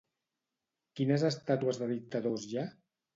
Quines estàtues de dictadors hi ha?